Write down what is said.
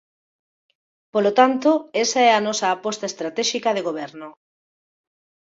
Polo tanto, esa é a nosa aposta estratéxica de goberno.